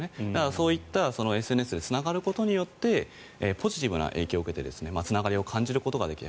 そういったＳＮＳでつながることによってポジティブな影響を受けてつながりを感じることができる。